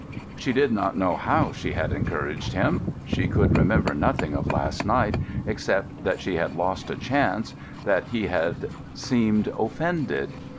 She did not know how she had encouraged him. She could remember nothing of last night, except that she had lost a chance—that he had seemed offended.